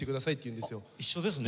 一緒ですね。